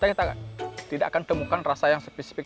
saya tidak akan temukan rasa yang spesifik